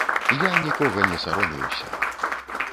Я нікога не саромеюся.